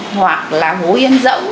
hoặc là hố yên rỗng